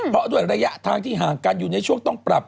เพราะด้วยระยะทางที่ห่างกันอยู่ในช่วงต้องปรับ